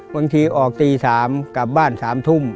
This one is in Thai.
บางทีออกตี๓กลับบ้าน๓ทุ่ม